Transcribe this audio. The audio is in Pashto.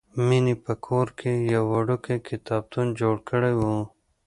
مینې په کور کې یو وړوکی کتابتون جوړ کړی و